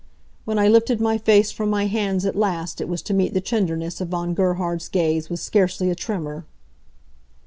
When I lifted my face from my hands at last it was to meet the tenderness of Von Gerhard's gaze with scarcely a tremor.